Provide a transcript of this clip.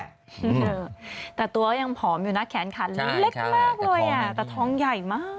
เออแต่ตัวยังผอมอยู่นะแขนขาเล็กมากเลยอ่ะแต่ท้องใหญ่มาก